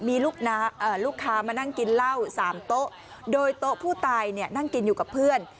มีลูกค้ามานั่งกินเหล้า๓โต๊ะโดยโต๊ะผู้ตายเนี่ยนั่งกินอยู่กับเพื่อน